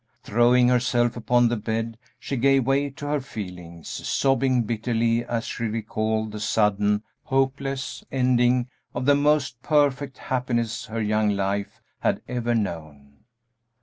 Throwing herself upon the bed, she gave way to her feelings, sobbing bitterly as she recalled the sudden, hopeless ending of the most perfect happiness her young life had ever known.